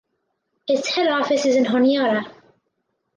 Its head office is in Honiara.